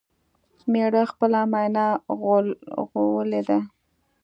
مېړه خپله ماينه غوولې ده